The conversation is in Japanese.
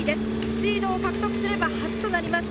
シードを獲得すれば初となります。